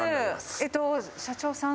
えっと社長さん？